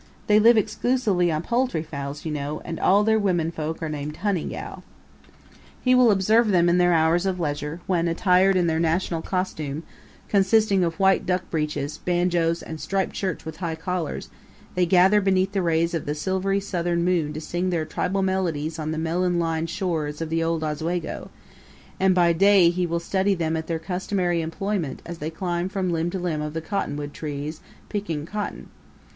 They live exclusively on poultry fowls, you know and all their women folk are named Honey Gal. He will observe them in their hours of leisure, when, attired in their national costume, consisting of white duck breeches, banjos, and striped shirts with high collars, they gather beneath the rays of the silvery Southern moon to sing their tribal melodies on the melon lined shores of the old Oswego; and by day he will study them at their customary employment as they climb from limb to limb of the cottonwood trees, picking cotton.